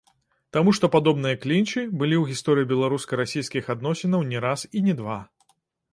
Таму што падобныя клінчы былі ў гісторыі беларуска-расійскіх адносінаў не раз і не два.